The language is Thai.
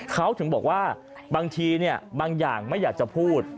เขาถึงบอกว่าบางทีบางอย่างไม่อยากจะพูด